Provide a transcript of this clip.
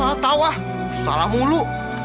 hah tau ah salah mulu